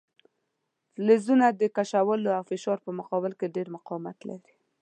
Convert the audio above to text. فلزونه د کشولو او فشار په مقابل کې ډیر مقاومت لري.